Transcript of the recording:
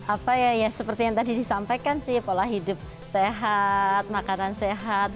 apa ya seperti yang tadi disampaikan sih pola hidup sehat makanan sehat